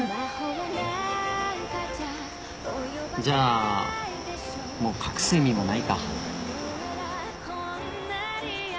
じゃあもう隠す意味もないか。